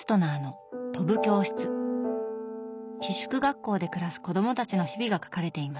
寄宿学校で暮らす子供たちの日々が書かれています。